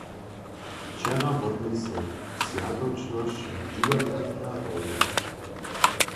Wčera wotmě so swjatočnosć w Dźiwadle na hrodźe.